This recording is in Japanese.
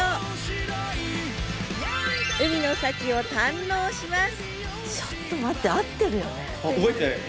海の幸を堪能します！